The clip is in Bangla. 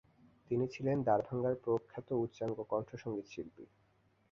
তিনি ছিলেন দ্বারভাঙার প্রখ্যাত উচ্চাঙ্গ কণ্ঠসঙ্গীতশিল্পী।